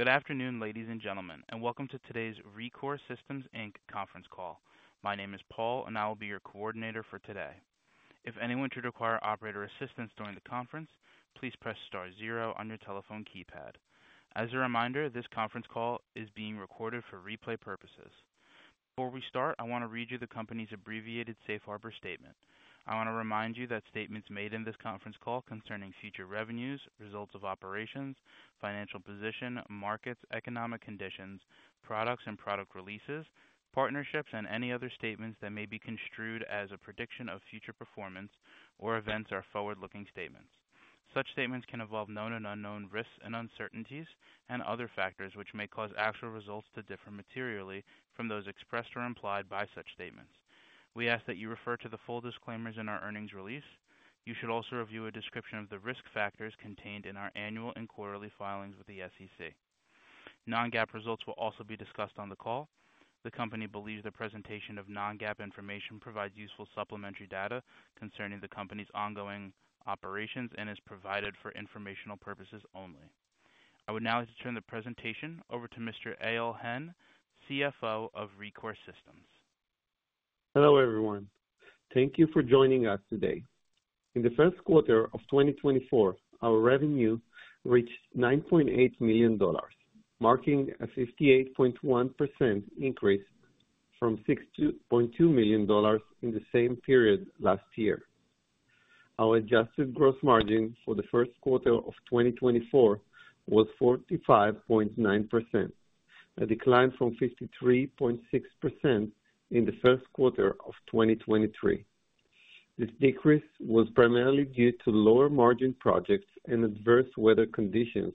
Good afternoon, ladies and gentlemen, and welcome to today's Rekor Systems Inc. conference call. My name is Paul, and I will be your coordinator for today. If anyone should require operator assistance during the conference, please press star zero on your telephone keypad. As a reminder, this conference call is being recorded for replay purposes. Before we start, I want to read you the company's abbreviated safe harbor statement. I want to remind you that statements made in this conference call concerning future revenues, results of operations, financial position, markets, economic conditions, products and product releases, partnerships, and any other statements that may be construed as a prediction of future performance or events are forward-looking statements. Such statements can involve known and unknown risks and uncertainties and other factors which may cause actual results to differ materially from those expressed or implied by such statements. We ask that you refer to the full disclaimers in our earnings release. You should also review a description of the risk factors contained in our annual and quarterly filings with the SEC. Non-GAAP results will also be discussed on the call. The company believes the presentation of non-GAAP information provides useful supplementary data concerning the company's ongoing operations and is provided for informational purposes only. I would now like to turn the presentation over to Mr. Eyal Hen, CFO of Rekor Systems. Hello, everyone. Thank you for joining us today. In the first quarter of 2024, our revenue reached $9.8 million, marking a 58.1% increase from $6.2 million in the same period last year. Our adjusted gross margin for the first quarter of 2024 was 45.9%, a decline from 53.6% in the first quarter of 2023. This decrease was primarily due to lower margin projects and adverse weather conditions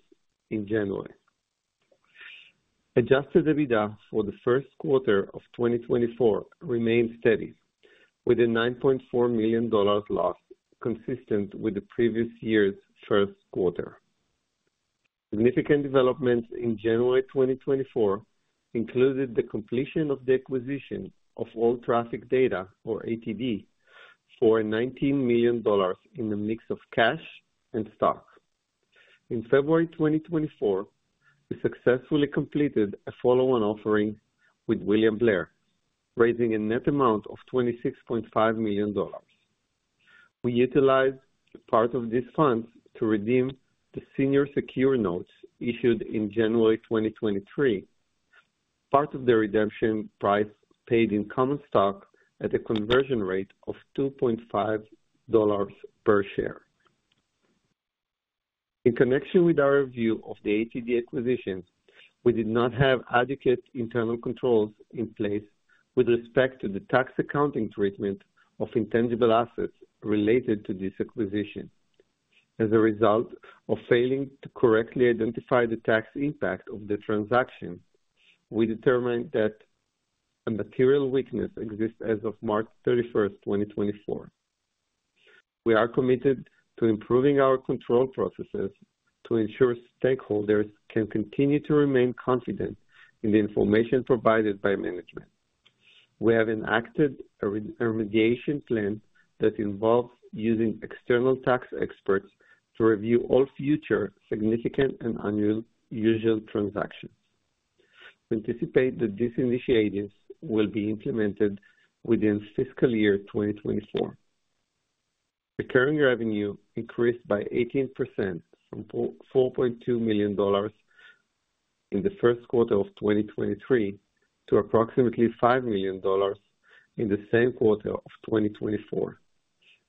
in January. Adjusted EBITDA for the first quarter of 2024 remained steady, with a $9.4 million loss, consistent with the previous year's first quarter. Significant developments in January 2024 included the completion of the acquisition of All Traffic Data, or ATD, for $19 million in the mix of cash and stock. In February 2024, we successfully completed a follow-on offering with William Blair, raising a net amount of $26.5 million. We utilized part of these funds to redeem the senior secured notes issued in January 2023. Part of the redemption price paid in common stock at a conversion rate of $2.5 per share. In connection with our review of the ATD acquisition, we did not have adequate internal controls in place with respect to the tax accounting treatment of intangible assets related to this acquisition. As a result of failing to correctly identify the tax impact of the transaction, we determined that a material weakness exists as of March 31, 2024. We are committed to improving our control processes to ensure stakeholders can continue to remain confident in the information provided by management. We have enacted a remediation plan that involves using external tax experts to review all future significant and unusual transactions. We anticipate that these initiatives will be implemented within fiscal year 2024. Recurring revenue increased by 18% from $4.2 million in the first quarter of 2023 to approximately $5 million in the same quarter of 2024,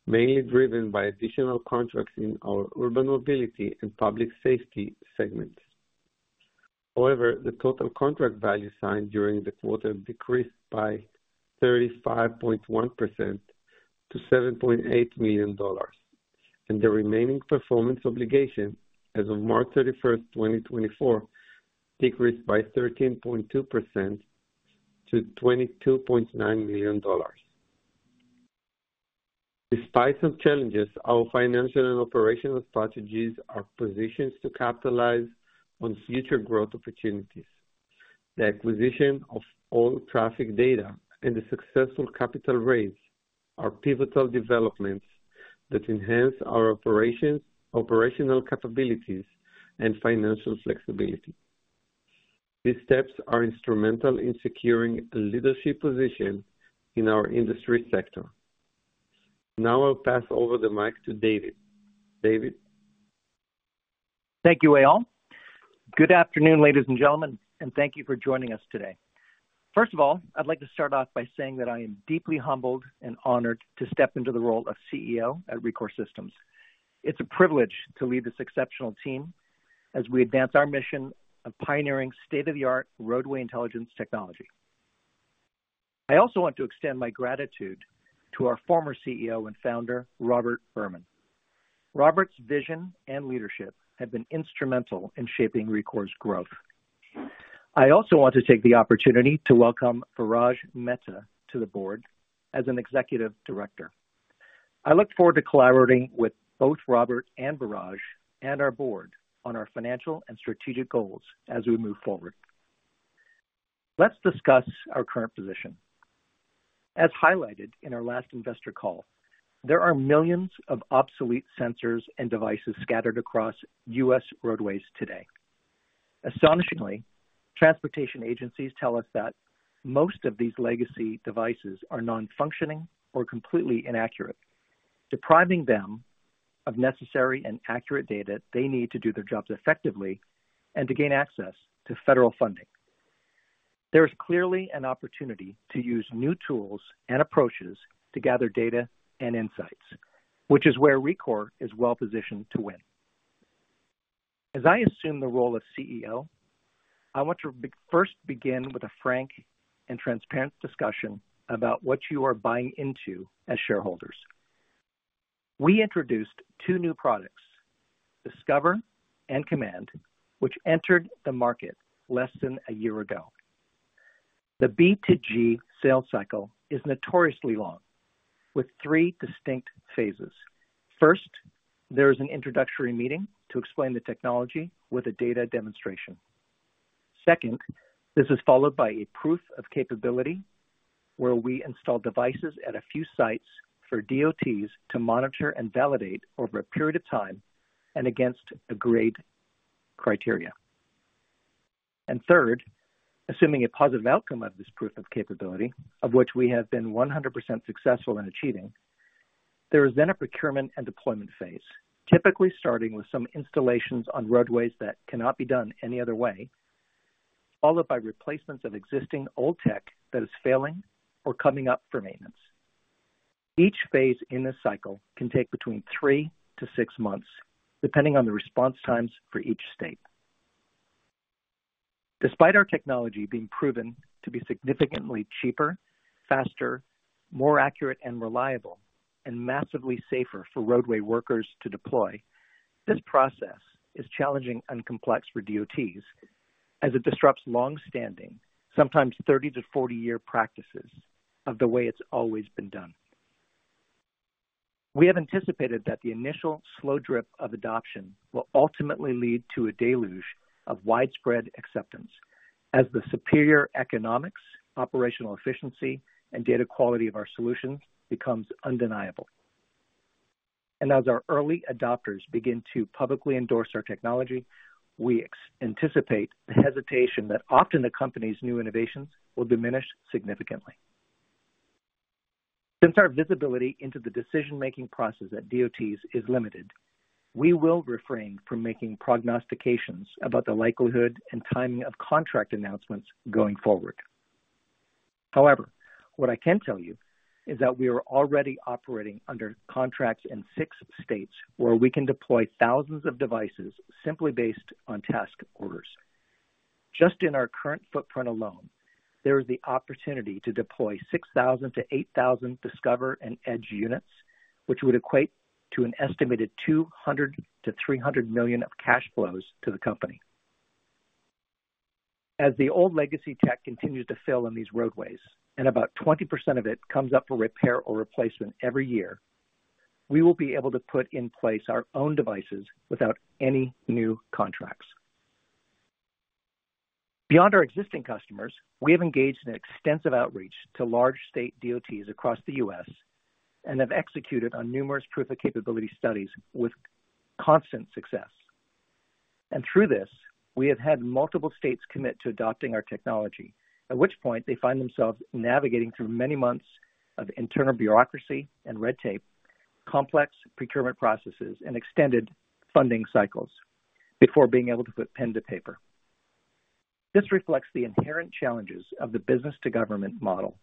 mainly driven by additional contracts in our urban mobility and public safety segments. However, the total contract value signed during the quarter decreased by 35.1% to $7.8 million, and the remaining performance obligation as of March 31, 2024, decreased by 13.2% to $22.9 million. Despite some challenges, our financial and operational strategies are positioned to capitalize on future growth opportunities. The acquisition of All Traffic Data and the successful capital raise are pivotal developments that enhance our operations, operational capabilities, and financial flexibility. These steps are instrumental in securing a leadership position in our industry sector. Now I'll pass over the mic to David. David? Thank you, Eyal. Good afternoon, ladies and gentlemen, and thank you for joining us today. First of all, I'd like to start off by saying that I am deeply humbled and honored to step into the role of CEO at Rekor Systems. It's a privilege to lead this exceptional team as we advance our mission of pioneering state-of-the-art roadway intelligence technology. I also want to extend my gratitude to our former CEO and founder, Robert Berman. Robert's vision and leadership have been instrumental in shaping Rekor's growth. I also want to take the opportunity to welcome Viraj Mehta to the board as an executive director. I look forward to collaborating with both Robert and Viraj and our board on our financial and strategic goals as we move forward.... Let's discuss our current position. As highlighted in our last investor call, there are millions of obsolete sensors and devices scattered across U.S. roadways today. Astonishingly, transportation agencies tell us that most of these legacy devices are non-functioning or completely inaccurate, depriving them of necessary and accurate data they need to do their jobs effectively and to gain access to federal funding. There is clearly an opportunity to use new tools and approaches to gather data and insights, which is where Rekor is well positioned to win. As I assume the role of CEO, I want to first begin with a frank and transparent discussion about what you are buying into as shareholders. We introduced two new products, Discover and Command, which entered the market less than a year ago. The B2G sales cycle is notoriously long, with three distinct phases. First, there is an introductory meeting to explain the technology with a data demonstration. Second, this is followed by a proof of capability, where we install devices at a few sites for DOTs to monitor and validate over a period of time and against agreed criteria. Third, assuming a positive outcome of this proof of capability, of which we have been 100% successful in achieving, there is then a procurement and deployment phase, typically starting with some installations on roadways that cannot be done any other way, followed by replacements of existing old tech that is failing or coming up for maintenance. Each phase in this cycle can take between 3-6 months, depending on the response times for each state. Despite our technology being proven to be significantly cheaper, faster, more accurate and reliable, and massively safer for roadway workers to deploy, this process is challenging and complex for DOTs as it disrupts long-standing, sometimes 30- to 40-year practices of the way it's always been done. We have anticipated that the initial slow drip of adoption will ultimately lead to a deluge of widespread acceptance as the superior economics, operational efficiency, and data quality of our solution becomes undeniable. As our early adopters begin to publicly endorse our technology, we anticipate the hesitation that often accompanies new innovations will diminish significantly. Since our visibility into the decision-making process at DOTs is limited, we will refrain from making prognostications about the likelihood and timing of contract announcements going forward. However, what I can tell you is that we are already operating under contracts in 6 states where we can deploy thousands of devices simply based on task orders. Just in our current footprint alone, there is the opportunity to deploy 6,000-8,000 Discover and Edge units, which would equate to an estimated $200 million-$300 million of cash flows to the company. As the old legacy tech continues to fail on these roadways, and about 20% of it comes up for repair or replacement every year, we will be able to put in place our own devices without any new contracts. Beyond our existing customers, we have engaged in extensive outreach to large state DOTs across the U.S. and have executed on numerous proof of capability studies with constant success. Through this, we have had multiple states commit to adopting our technology, at which point they find themselves navigating through many months of internal bureaucracy and red tape, complex procurement processes, and extended funding cycles before being able to put pen to paper. This reflects the inherent challenges of the business-to-government model,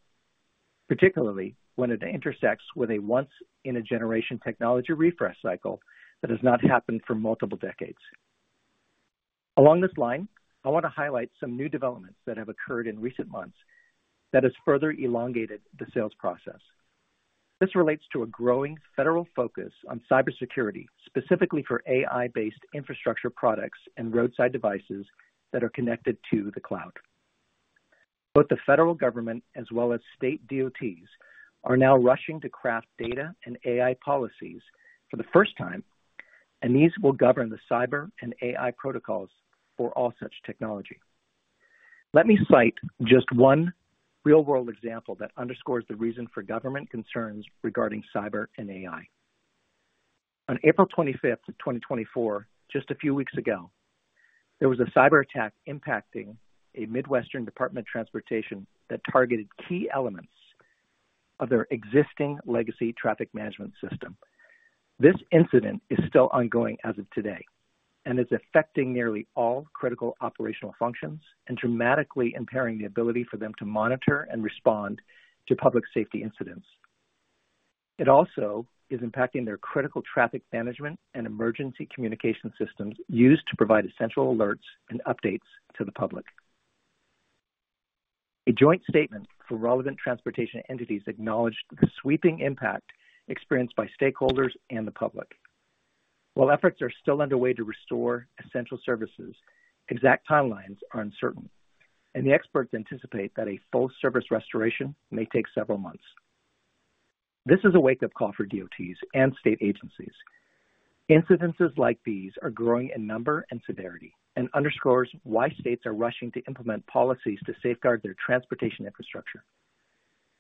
particularly when it intersects with a once-in-a-generation technology refresh cycle that has not happened for multiple decades. Along this line, I want to highlight some new developments that have occurred in recent months that has further elongated the sales process. This relates to a growing federal focus on cybersecurity, specifically for AI-based infrastructure products and roadside devices that are connected to the cloud. Both the federal government as well as state DOTs are now rushing to craft data and AI policies for the first time, and these will govern the cyber and AI protocols for all such technology. Let me cite just one real-world example that underscores the reason for government concerns regarding cyber and AI. On April 25, 2024, just a few weeks ago, there was a cyberattack impacting a Midwestern Department of Transportation that targeted key elements of their existing legacy traffic management system. This incident is still ongoing as of today, and it's affecting nearly all critical operational functions and dramatically impairing the ability for them to monitor and respond to public safety incidents. It also is impacting their critical traffic management and emergency communication systems used to provide essential alerts and updates to the public. A joint statement from relevant transportation entities acknowledged the sweeping impact experienced by stakeholders and the public. While efforts are still underway to restore essential services, exact timelines are uncertain, and the experts anticipate that a full service restoration may take several months.... This is a wake-up call for DOTs and state agencies. Incidents like these are growing in number and severity and underscores why states are rushing to implement policies to safeguard their transportation infrastructure.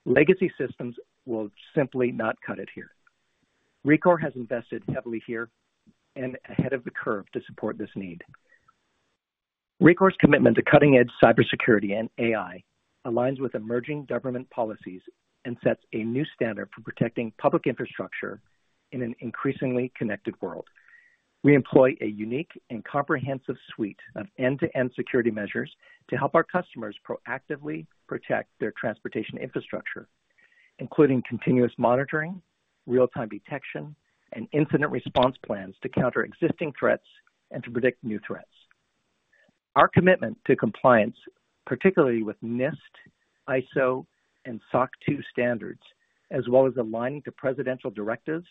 Legacy systems will simply not cut it here. Rekor has invested heavily here and ahead of the curve to support this need. Rekor's commitment to cutting-edge cybersecurity and AI aligns with emerging government policies and sets a new standard for protecting public infrastructure in an increasingly connected world. We employ a unique and comprehensive suite of end-to-end security measures to help our customers proactively protect their transportation infrastructure, including continuous monitoring, real-time detection, and incident response plans to counter existing threats and to predict new threats. Our commitment to compliance, particularly with NIST, ISO, and SOC 2 standards, as well as aligning to presidential directives,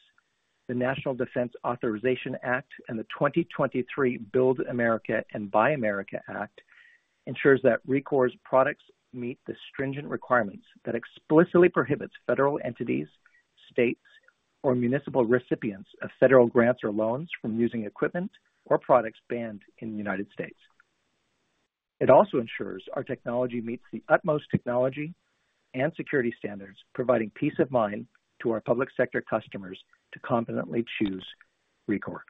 the National Defense Authorization Act, and the 2023 Build America and Buy America Act, ensures that Rekor's products meet the stringent requirements that explicitly prohibits federal entities, states, or municipal recipients of federal grants or loans from using equipment or products banned in the United States. It also ensures our technology meets the utmost technology and security standards, providing peace of mind to our public sector customers to confidently choose Rekor.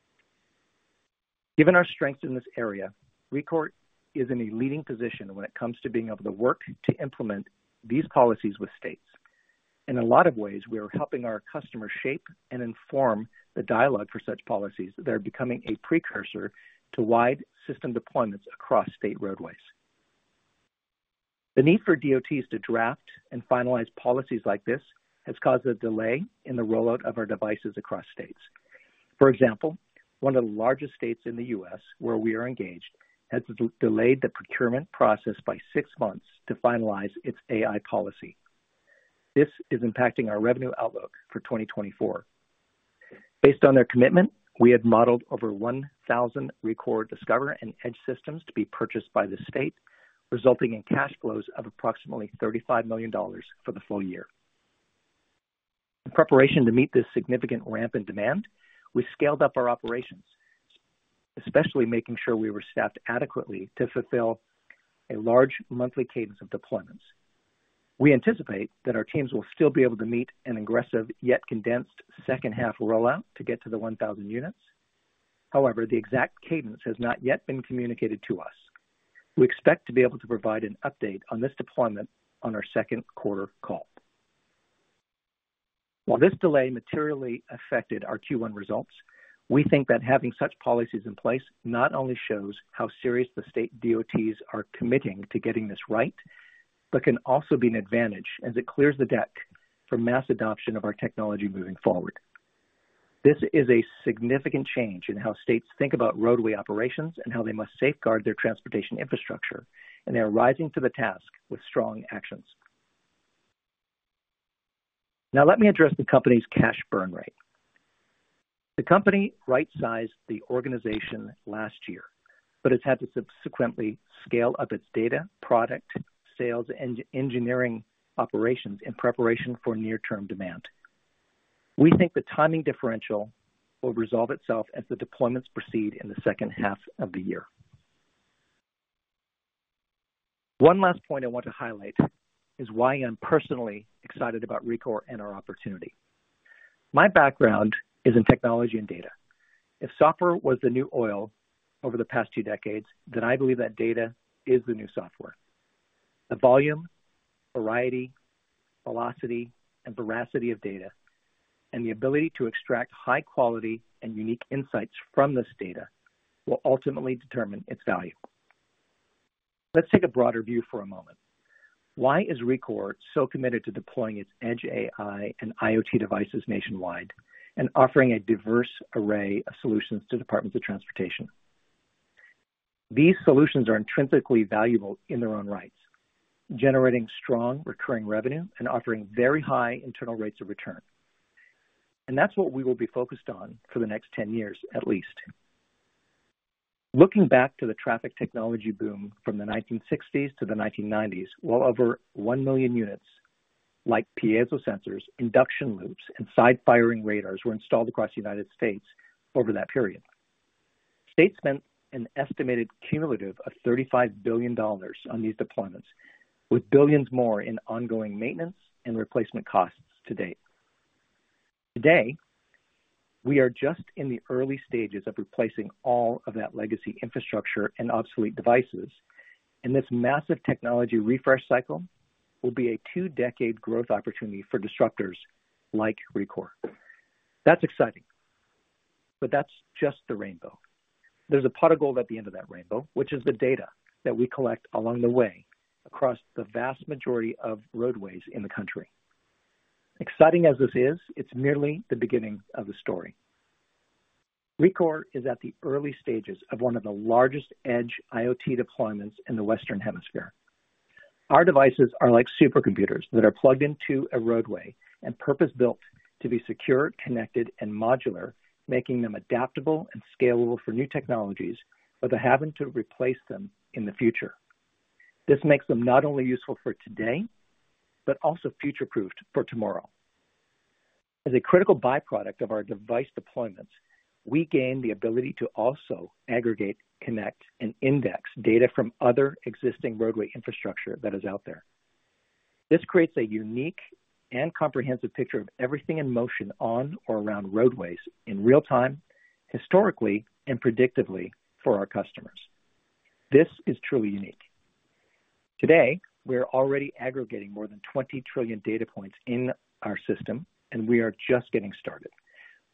Given our strength in this area, Rekor is in a leading position when it comes to being able to work to implement these policies with states. In a lot of ways, we are helping our customers shape and inform the dialogue for such policies that are becoming a precursor to wide system deployments across state roadways. The need for DOTs to draft and finalize policies like this has caused a delay in the rollout of our devices across states. For example, one of the largest states in the U.S. where we are engaged has delayed the procurement process by six months to finalize its AI policy. This is impacting our revenue outlook for 2024. Based on their commitment, we had modeled over 1,000 Rekor Discover and Edge systems to be purchased by the state, resulting in cash flows of approximately $35 million for the full year. In preparation to meet this significant ramp in demand, we scaled up our operations, especially making sure we were staffed adequately to fulfill a large monthly cadence of deployments. We anticipate that our teams will still be able to meet an aggressive, yet condensed second half rollout to get to the 1,000 units. However, the exact cadence has not yet been communicated to us. We expect to be able to provide an update on this deployment on our second quarter call. While this delay materially affected our Q1 results, we think that having such policies in place not only shows how serious the state DOTs are committing to getting this right, but can also be an advantage as it clears the deck for mass adoption of our technology moving forward. This is a significant change in how states think about roadway operations and how they must safeguard their transportation infrastructure, and they are rising to the task with strong actions. Now, let me address the company's cash burn rate. The company right-sized the organization last year, but has had to subsequently scale up its data, product, sales, and engineering operations in preparation for near-term demand. We think the timing differential will resolve itself as the deployments proceed in the second half of the year. One last point I want to highlight is why I'm personally excited about Rekor and our opportunity. My background is in technology and data. If software was the new oil over the past two decades, then I believe that data is the new software. The volume, variety, velocity, and veracity of data, and the ability to extract high quality and unique insights from this data will ultimately determine its value. Let's take a broader view for a moment. Why is Rekor so committed to deploying its Edge AI and IoT devices nationwide and offering a diverse array of solutions to departments of transportation? These solutions are intrinsically valuable in their own rights, generating strong recurring revenue and offering very high internal rates of return. That's what we will be focused on for the next 10 years, at least. Looking back to the traffic technology boom from the 1960s to the 1990s, well over 1 million units, like piezo sensors, induction loops, and side-firing radars, were installed across the United States over that period. States spent an estimated cumulative of $35 billion on these deployments, with billions more in ongoing maintenance and replacement costs to date. Today, we are just in the early stages of replacing all of that legacy infrastructure and obsolete devices, and this massive technology refresh cycle will be a two-decade growth opportunity for disruptors like Rekor. That's exciting, but that's just the rainbow. There's a pot of gold at the end of that rainbow, which is the data that we collect along the way across the vast majority of roadways in the country. Exciting as this is, it's merely the beginning of the story. Rekor is at the early stages of one of the largest edge IoT deployments in the Western Hemisphere. Our devices are like supercomputers that are plugged into a roadway and purpose-built to be secure, connected, and modular, making them adaptable and scalable for new technologies, but they're having to replace them in the future. This makes them not only useful for today, but also future-proofed for tomorrow. As a critical byproduct of our device deployments, we gain the ability to also aggregate, connect, and index data from other existing roadway infrastructure that is out there. This creates a unique and comprehensive picture of everything in motion on or around roadways in real time, historically, and predictively for our customers. This is truly unique. Today, we are already aggregating more than 20 trillion data points in our system, and we are just getting started.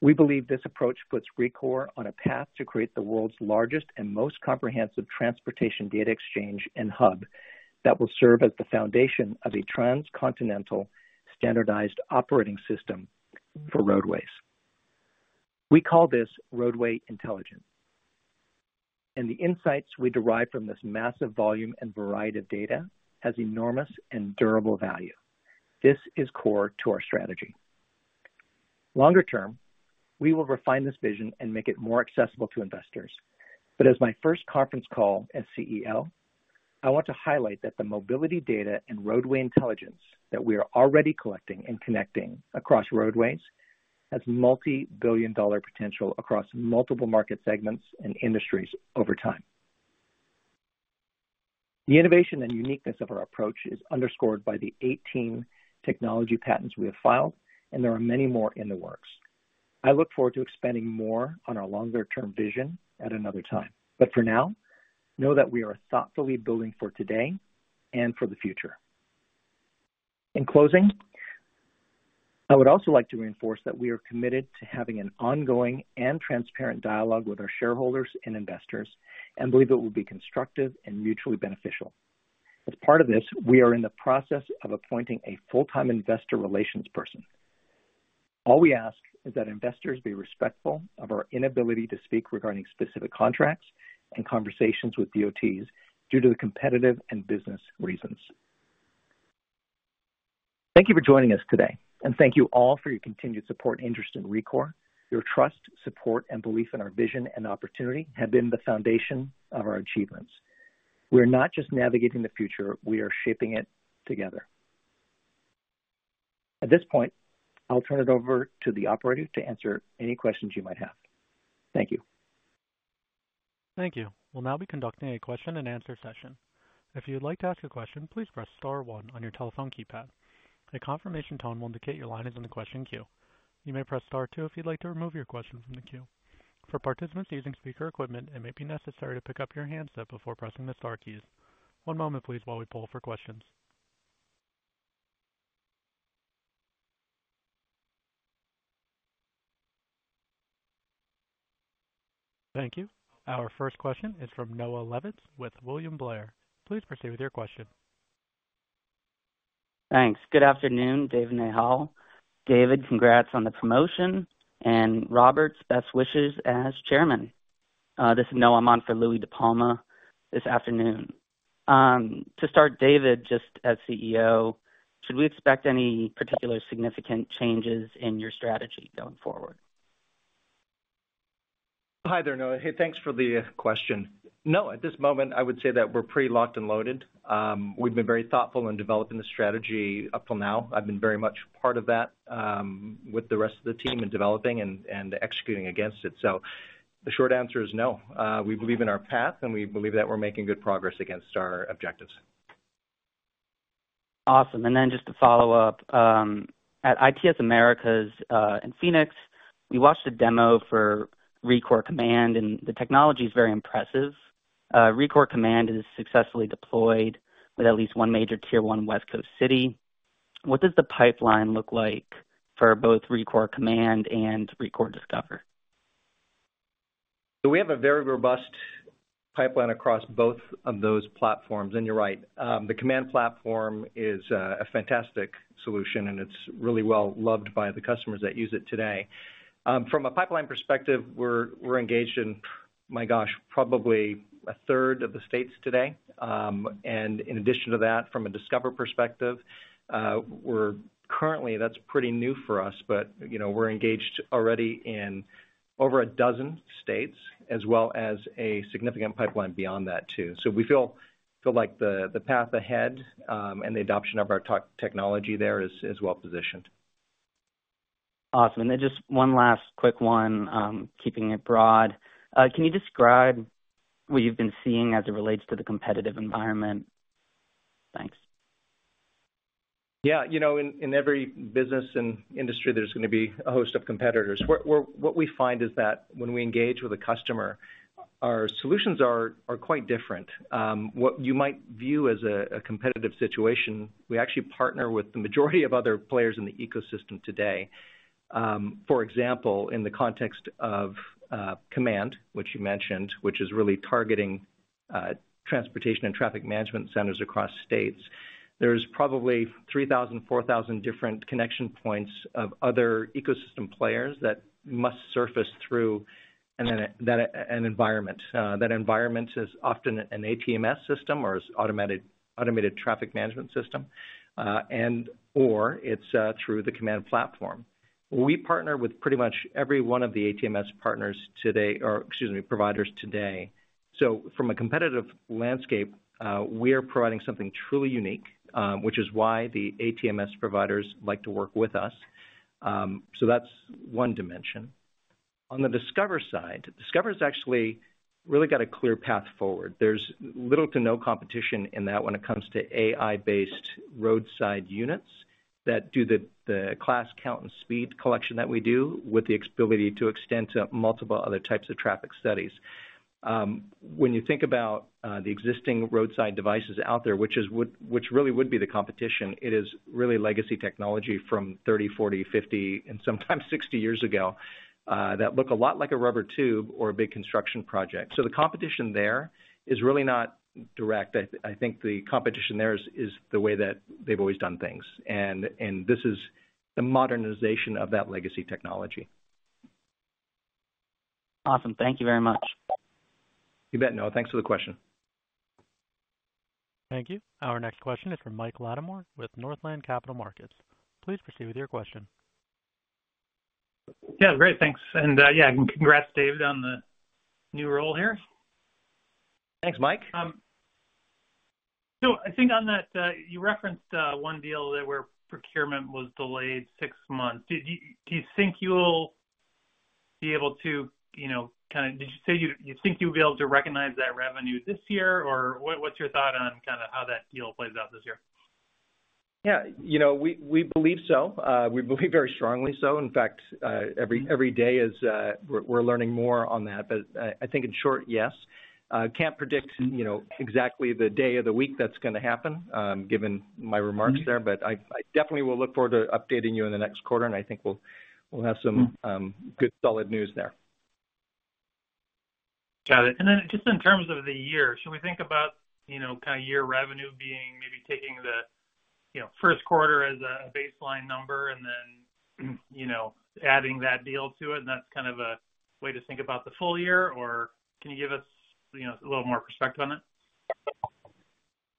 We believe this approach puts Rekor on a path to create the world's largest and most comprehensive transportation data exchange and hub that will serve as the foundation of a transcontinental, standardized operating system for roadways. We call this roadway intelligence, and the insights we derive from this massive volume and variety of data has enormous and durable value. This is core to our strategy. Longer term, we will refine this vision and make it more accessible to investors. But as my first conference call as CEO, I want to highlight that the mobility data and roadway intelligence that we are already collecting and connecting across roadways has multi-billion dollar potential across multiple market segments and industries over time. The innovation and uniqueness of our approach is underscored by the 18 technology patents we have filed, and there are many more in the works. I look forward to expanding more on our longer-term vision at another time, but for now, know that we are thoughtfully building for today and for the future. In closing, I would also like to reinforce that we are committed to having an ongoing and transparent dialogue with our shareholders and investors and believe it will be constructive and mutually beneficial. As part of this, we are in the process of appointing a full-time investor relations person. All we ask is that investors be respectful of our inability to speak regarding specific contracts and conversations with DOTs due to the competitive and business reasons. Thank you for joining us today, and thank you all for your continued support and interest in Rekor. Your trust, support, and belief in our vision and opportunity have been the foundation of our achievements. We are not just navigating the future, we are shaping it together. At this point, I'll turn it over to the operator to answer any questions you might have. Thank you. Thank you. We'll now be conducting a question-and-answer session. If you'd like to ask a question, please press star one on your telephone keypad. A confirmation tone will indicate your line is in the question queue. You may press star two if you'd like to remove your question from the queue. For participants using speaker equipment, it may be necessary to pick up your handset before pressing the star keys. One moment, please, while we poll for questions. Thank you. Our first question is from Noah Levitz with William Blair. Please proceed with your question. Thanks. Good afternoon, David Desharnais. David, congrats on the promotion, and Robert, best wishes as chairman. This is Noah. I'm on for Louie DiPalma this afternoon. To start, David, just as CEO, should we expect any particular significant changes in your strategy going forward? Hi there, Noah. Hey, thanks for the question. No, at this moment, I would say that we're pretty locked and loaded. We've been very thoughtful in developing the strategy up till now. I've been very much part of that, with the rest of the team in developing and executing against it. So the short answer is no. We believe in our path, and we believe that we're making good progress against our objectives. Awesome. Then just to follow up, at ITS America, in Phoenix, we watched a demo for Rekor Command, and the technology is very impressive. Rekor Command is successfully deployed with at least one major Tier 1 West Coast city. What does the pipeline look like for both Rekor Command and Rekor Discover? So we have a very robust pipeline across both of those platforms. And you're right, the Command platform is a fantastic solution, and it's really well loved by the customers that use it today. From a pipeline perspective, we're engaged in, my gosh, probably a third of the states today. And in addition to that, from a Discover perspective, we're currently, that's pretty new for us, but you know, we're engaged already in over a dozen states, as well as a significant pipeline beyond that, too. So we feel like the path ahead and the adoption of our technology there is well positioned. Awesome. And then just one last quick one, keeping it broad. Can you describe what you've been seeing as it relates to the competitive environment? Thanks. Yeah, you know, in every business and industry, there's going to be a host of competitors. What we find is that when we engage with a customer, our solutions are quite different. What you might view as a competitive situation, we actually partner with the majority of other players in the ecosystem today. For example, in the context of Command, which you mentioned, which is really targeting transportation and traffic management centers across states, there's probably 3,000-4,000 different connection points of other ecosystem players that must surface through and then that environment. That environment is often an ATMS system or an automated traffic management system, and or it's through the Command platform. We partner with pretty much every one of the ATMS partners today, or excuse me, providers today. So from a competitive landscape, we are providing something truly unique, which is why the ATMS providers like to work with us. So that's one dimension. On the Discover side, Discover's actually really got a clear path forward. There's little to no competition in that when it comes to AI-based roadside units that do the class count and speed collection that we do, with the ability to extend to multiple other types of traffic studies. When you think about the existing roadside devices out there, which really would be the competition, it is really legacy technology from 30, 40, 50, and sometimes 60 years ago, that look a lot like a rubber tube or a big construction project. So the competition there is really not direct. I think the competition there is the way that they've always done things. And this is the modernization of that legacy technology. Awesome. Thank you very much. You bet, Noah. Thanks for the question. Thank you. Our next question is from Mike Latimore with Northland Capital Markets. Please proceed with your question. Yeah, great, thanks. Yeah, congrats, David, on the new role here. Thanks, Mike. So I think on that, you referenced one deal that, where procurement was delayed six months. Do you think you'll be able to, you know, kind of... Did you say you think you'll be able to recognize that revenue this year? Or, what's your thought on kind of how that deal plays out this year? Yeah, you know, we believe so. We believe very strongly so. In fact, every day is we're learning more on that. But I think in short, yes. Can't predict, you know, exactly the day of the week that's going to happen, given my remarks there, but I definitely will look forward to updating you in the next quarter, and I think we'll have some good solid news there. Got it. And then just in terms of the year, should we think about, you know, kind of year revenue being maybe taking the, you know, first quarter as a baseline number and then, you know, adding that deal to it, and that's kind of a way to think about the full year? Or can you give us, you know, a little more perspective on it?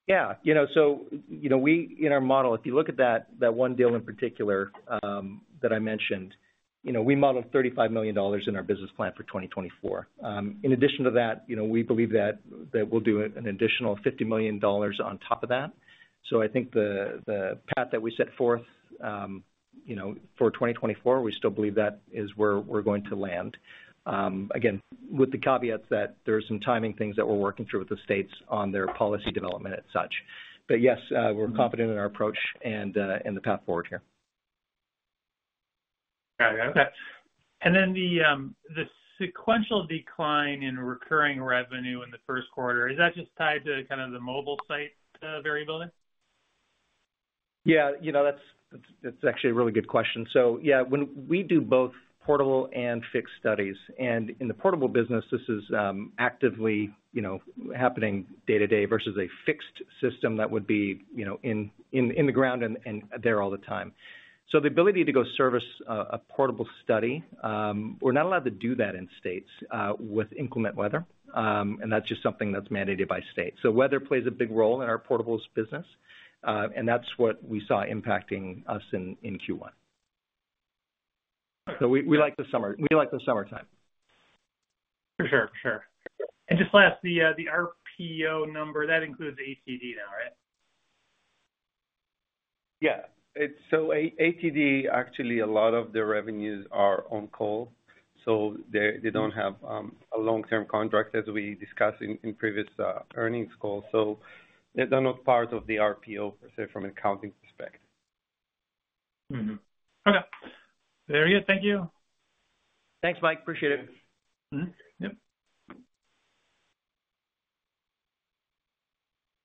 Yeah, you know, so, you know, we, in our model, if you look at that, that one deal in particular, that I mentioned, you know, we modeled $35 million in our business plan for 2024. In addition to that, you know, we believe that, that we'll do an additional $50 million on top of that. So I think the, the path that we set forth, you know, for 2024, we still believe that is where we're going to land. Again, with the caveats that there are some timing things that we're working through with the states on their policy development as such. But yes, we're confident in our approach and, in the path forward here. Got it. Okay. And then the, the sequential decline in recurring revenue in the first quarter, is that just tied to kind of the mobile site variability? Yeah, you know, that's, that's actually a really good question. So yeah, when we do both portable and fixed studies, and in the portable business, this is actively, you know, happening day-to-day versus a fixed system that would be, you know, in, in, in the ground and, and there all the time. So the ability to go service a portable study, we're not allowed to do that in states with inclement weather, and that's just something that's mandated by state. So weather plays a big role in our portables business, and that's what we saw impacting us in Q1. All right. So we like the summer, we like the summertime. For sure. For sure. And just last, the RPO number, that includes ATD now, right? Yeah. It's so ATD, actually, a lot of their revenues are on call, so they don't have a long-term contract, as we discussed in previous earnings calls. So they're not part of the RPO, per se, from an accounting perspective. Mm-hmm. Okay. Very good. Thank you. Thanks, Mike. Appreciate it. Mm-hmm. Yep.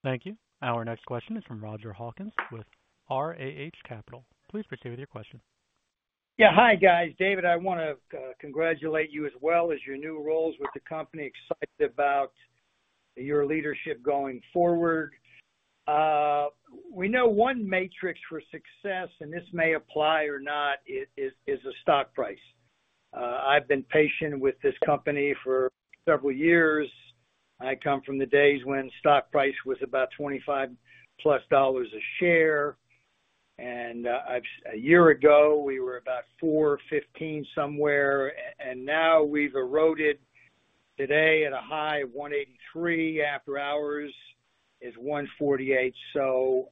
Thank you. Our next question is from Roger Hawkins with RAH Capital. Please proceed with your question. Yeah. Hi, guys. David, I want to congratulate you as well as your new roles with the company. Excited about your leadership going forward. We know one metric for success, and this may apply or not, is a stock price. I've been patient with this company for several years. I come from the days when stock price was about $25+ a share, and a year ago, we were about $4.15 somewhere, and now we've eroded today at a high of $1.83, after hours is $1.48. So,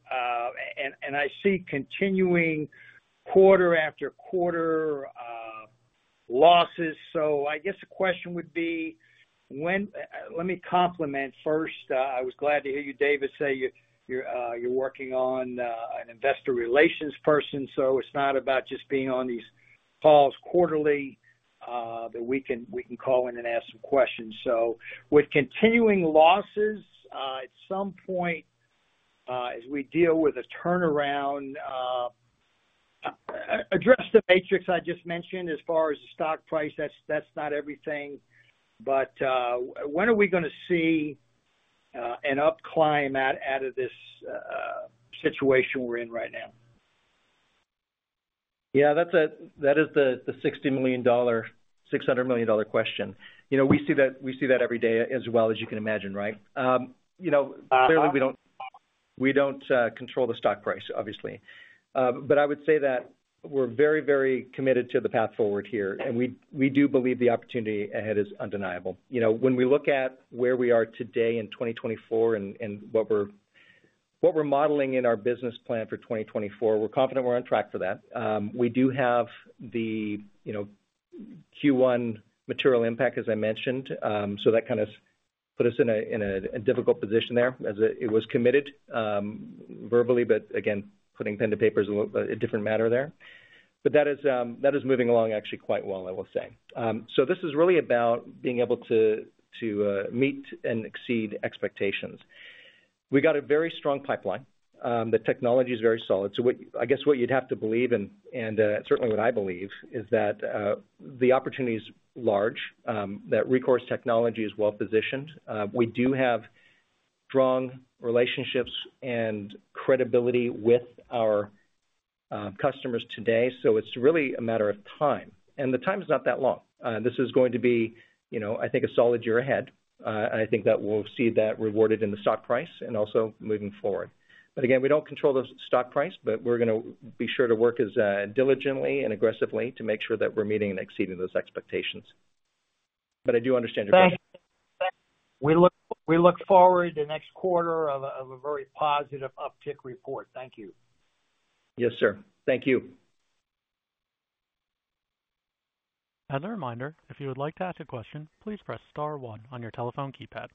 and I see continuing quarter after quarter losses. So I guess the question would be: when let me comment first. I was glad to hear you, David, say you're working on an investor relations person, so it's not about just being on these calls quarterly, that we can call in and ask some questions. So with continuing losses, at some point, as we deal with a turnaround, address the matrix I just mentioned as far as the stock price, that's not everything, but, when are we gonna see an upline out of this situation we're in right now?... Yeah, that's the $60 million-$600 million question. You know, we see that, we see that every day as well as you can imagine, right? You know, clearly, we don't, we don't control the stock price, obviously. But I would say that we're very, very committed to the path forward here, and we, we do believe the opportunity ahead is undeniable. You know, when we look at where we are today in 2024 and, and what we're, what we're modeling in our business plan for 2024, we're confident we're on track for that. We do have the Q1 material impact, as I mentioned. So that kind of put us in a difficult position there as it was committed verbally, but again, putting pen to paper is a little different matter there. But that is moving along actually quite well, I will say. So this is really about being able to meet and exceed expectations. We got a very strong pipeline. The technology is very solid. So what, I guess what you'd have to believe, and certainly what I believe is that the opportunity is large, that Rekor Systems is well-positioned. We do have strong relationships and credibility with our customers today, so it's really a matter of time, and the time is not that long. This is going to be, you know, I think, a solid year ahead, and I think that we'll see that rewarded in the stock price and also moving forward. But again, we don't control the stock price, but we're gonna be sure to work as, diligently and aggressively to make sure that we're meeting and exceeding those expectations. But I do understand your question. We look forward to next quarter of a very positive uptick report. Thank you. Yes, sir. Thank you. As a reminder, if you would like to ask a question, please press star one on your telephone keypad.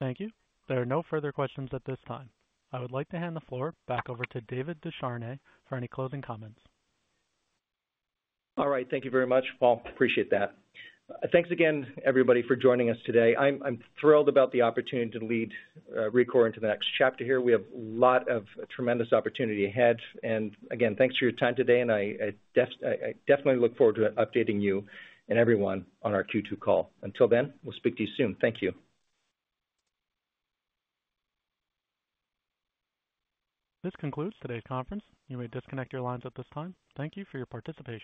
Thank you. There are no further questions at this time. I would like to hand the floor back over to David Desharnais for any closing comments. All right. Thank you very much, Paul. Appreciate that. Thanks again, everybody, for joining us today. I'm thrilled about the opportunity to lead Rekor into the next chapter here. We have a lot of tremendous opportunity ahead. And again, thanks for your time today, and I definitely look forward to updating you and everyone on our Q2 call. Until then, we'll speak to you soon. Thank you. This concludes today's conference. You may disconnect your lines at this time. Thank you for your participation.